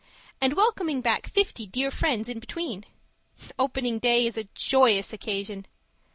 and welcoming back fifty dear friends in between. Opening day is a joyous occasion!